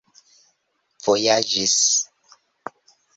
vojaĝis